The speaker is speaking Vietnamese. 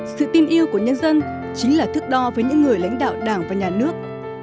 sự tin yêu của nhân dân chính là thức đo với những người lãnh đạo đảng và nhà nước